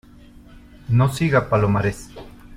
no siga, Palomares.